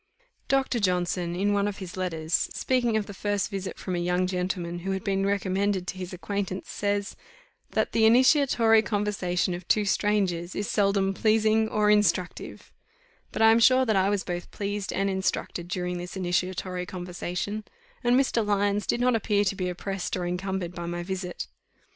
Dr. Johnson, in one of his letters, speaking of a first visit from a young gentleman who had been recommended to his acquaintance, says, that "the initiatory conversation of two strangers is seldom pleasing or instructive;" but I am sure that I was both pleased and instructed during this initiatory conversation, and Mr. Lyons did not appear to be oppressed or encumbered by my visit.